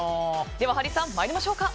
では、ハリーさん参りましょうか。